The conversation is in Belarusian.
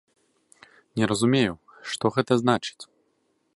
Не разумею, што гэта значыць.